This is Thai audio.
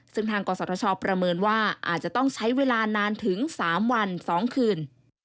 ซึ่งทางกษัตริย์ศาสตร์ชอบประเมินว่าอาจจะต้องใช้เวลานานถึง๓วัน๒คืน